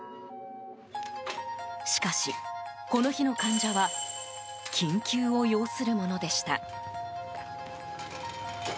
しかし、この日の患者は緊急を要するものでした。